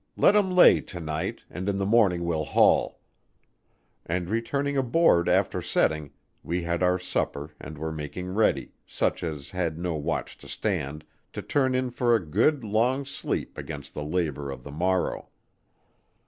Let 'em lay to night, and in the morning we'll haul;" and, returning aboard after setting, we had our supper and were making ready, such as had no watch to stand, to turn in for a good, long sleep against the labor of the morrow.